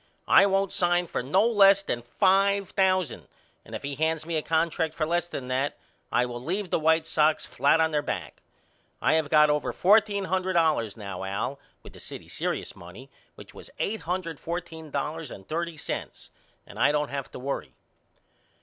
I won't sign for no less than five thousand and if he hands me a contract for less than that I will leave the White Sox flat on their back. I have got over fourteen hundred dollars now Al with the city serious money which was $814.30 and I don't have to worry.